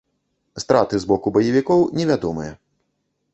Страты з боку баевікоў невядомыя.